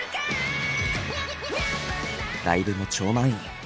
ライブも超満員。